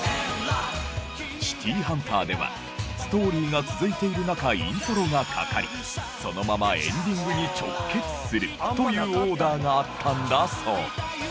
『シティーハンター』ではストーリーが続いている中イントロがかかりそのままエンディングに直結するというオーダーがあったんだそう。